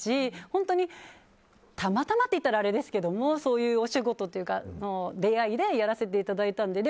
本当に、たまたまといったらあれですけどそういうお仕事というか出会いでやらせていただいたので。